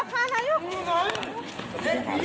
พี่ไววันหนี